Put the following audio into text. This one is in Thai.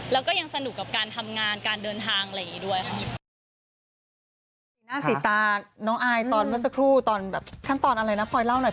แล้วก็ยังสนุกกับการทำงานการเดินทางอะไรอย่างงี้ด้วยค่ะหน้าสีตาน้องอายตอนเมื่อสักครู่ตอนแบบขั้นตอนอะไรนะพลอยเล่าหน่อย